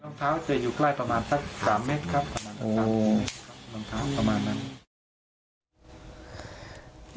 สว่างท้าวจะอยู่ใกล้ประมาณ๓เมตรที่สอง